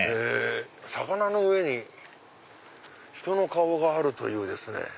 魚の上に人の顔があるというですね。